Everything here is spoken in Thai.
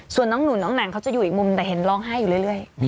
ส่วนน้องหนุนน้องหนังเขาจะอยู่อีกมุมแต่เห็นร้องไห้อยู่เรื่อย